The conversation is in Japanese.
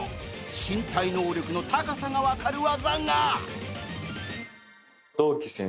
身体能力の高さがわかる技が